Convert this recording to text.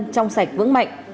trong sạch vững mạnh